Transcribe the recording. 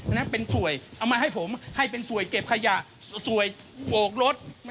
เอามาให้ผมให้เป็นสวยเก็บขยะสวยโหกรถ